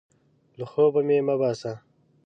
له خوبه مې مه باسه!